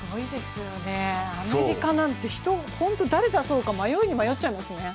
アメリカなんて誰出そうか迷いに迷っちゃいますね。